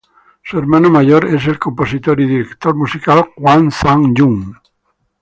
Su hermano menor es el compositor y director musical Hwang Sang-jun.